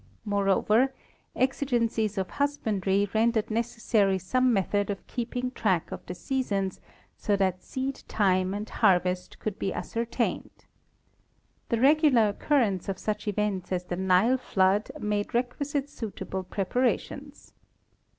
Moreover, exigencies of husbandry rendered necessary some method of keeping track of the seasons so that seed time and harvest could be ascertained. The regular occur rence of such events as the Nile flood made requisite suit able preparations.